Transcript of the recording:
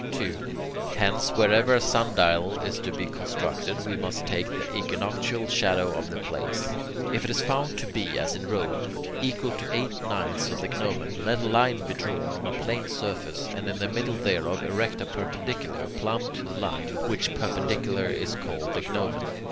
2. Hence, wherever a sundial is to be constructed, we must take the equinoctial shadow of the place. If it is found to be, as in Rome, equal to eight ninths of the gnomon, let a line be drawn on a plane surface, and in the middle thereof erect a perpendicular, plumb to the line, which perpendicular is called the gnomon.